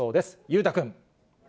裕太君。